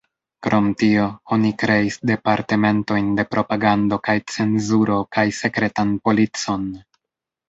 Krom tio, oni kreis departementojn de propagando kaj cenzuro kaj sekretan policon.